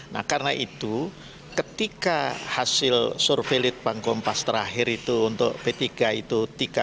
nah karena itu ketika hasil survei litbang kompas terakhir itu untuk p tiga itu tiga